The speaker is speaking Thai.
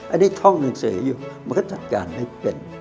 อันนี้ท่องหนังสืออยู่มันก็จัดการไม่เป็น